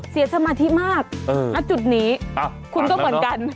สมาธิมากณจุดนี้คุณก็เหมือนกัน